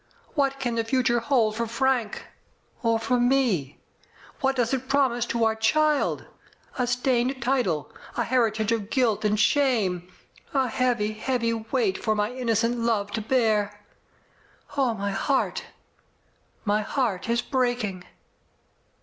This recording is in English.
What can the future hold for Frank — or for me? What does it promise to our child? A stained title, a heritage of guilt and shame — a heavy, heavy weight for my innocent love to bear. Oh, my heart f My heart is breaking